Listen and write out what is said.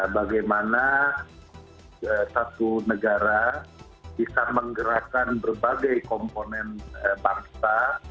bagaimana satu negara bisa menggerakkan berbagai komponen bangsa